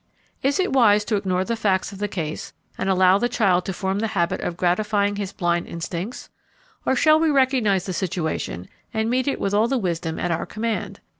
Is it wise to ignore the facts of the case and allow the child to form the habit of gratifying his blind instincts, or shall we recognize the situation and meet it with all the wisdom at our command?